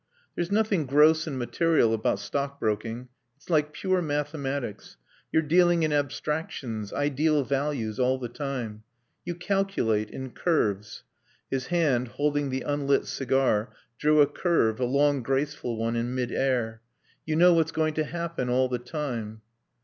"There's nothing gross and material about stock broking. It's like pure mathematics. You're dealing in abstractions, ideal values, all the time. You calculate in curves." His hand, holding the unlit cigar, drew a curve, a long graceful one, in mid air. "You know what's going to happen all the time.